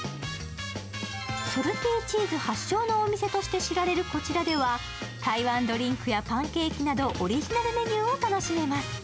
ソルティーチーズ発祥のお店として知られるこちらでは台湾ドリンクやパンケーキなどオリジナルメニューを楽しめます。